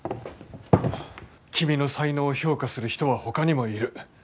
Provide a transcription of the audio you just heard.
君の才能を評価する人はほかにもいる。